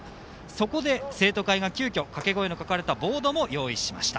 そこで生徒会が急きょ掛け声の書かれたボードも用意しました。